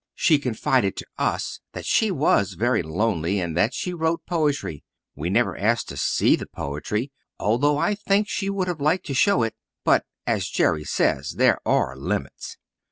She confided to us that she was very lonely and that she wrote poetry. We never asked to see the poetry, although I think she would have liked to show it. But, as Jerry says, there are limits.